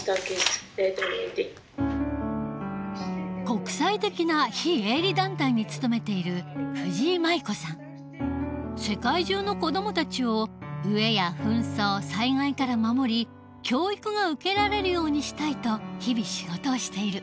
国際的な非営利団体に勤めている世界中の子どもたちを飢えや紛争災害から守り教育が受けられるようにしたいと日々仕事をしている。